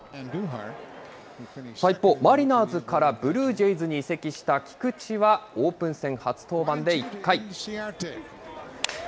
一方、マリナーズからブルージェイズに移籍した菊池は、オープン戦初登板で１回。